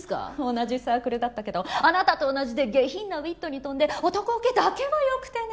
同じサークルだったけどあなたと同じで下品なウィットに富んで男ウケだけは良くてね。